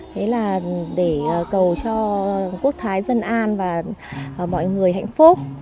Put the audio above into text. đấy là để cầu cho quốc thái dân an và mọi người hạnh phúc